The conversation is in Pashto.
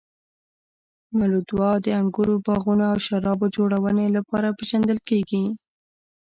مولدوا د انګورو باغونو او شرابو جوړونې لپاره پېژندل کیږي.